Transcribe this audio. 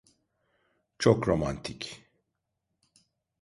Çok romantik.